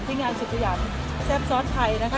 ที่งานสุขุยานแซ่บซอสไทยนะคะ